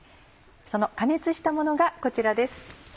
その加熱したものがこちらです。